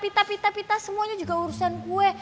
pita pita pita semuanya juga urusan kue